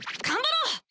頑張ろう！